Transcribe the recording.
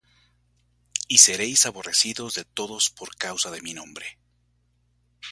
Y seréis aborrecidos de todos por causa de mi nombre.